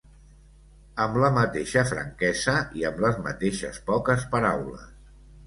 Am la mateixa franquesa i am les mateixes poques paraules